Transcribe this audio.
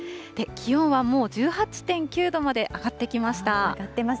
気温はもう１８．９度まで上がってきました。